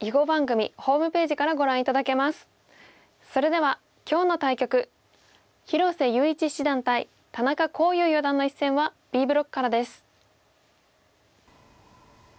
それでは今日の対局広瀬優一七段対田中康湧四段の一戦はＢブロックからです。